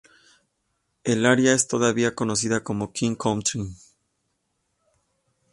El área es todavía conocida como King Country.